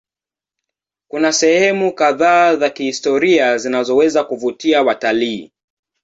Kuna sehemu kadhaa za kihistoria zinazoweza kuvutia watalii.